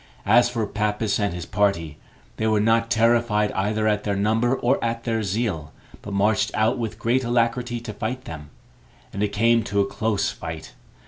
As for Pappus and his party, they were not terrified either at their number or at their zeal, but marched out with great alacrity to fight them; and it came to a close fight.